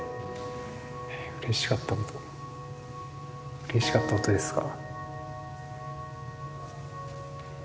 えうれしかったことうれしかったことですか。